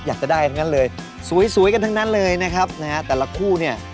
อยากจะได้ทั้งนั้นเลยสวยสวยกันทั้งนั้นเลยนะครับนะฮะแต่ละคู่เนี่ย